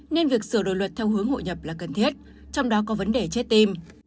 nên việc sửa đổi luật theo hướng hội nhập là cần thiết trong đó có vấn đề chết tim